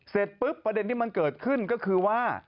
เสร็จปุ๊บประเด็นที่มันเกิดขึ้นก็คือว่า